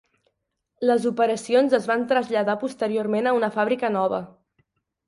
Les operacions es van traslladar posteriorment a una fàbrica nova.